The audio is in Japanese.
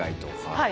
はい。